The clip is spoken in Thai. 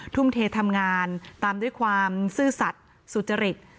ทุ่มเททำงานตามด้วยความซื่อสัตว์สุจริต